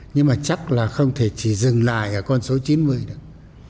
nhưng mà chắc là không thể chỉ dừng lại ở con số chín mươi được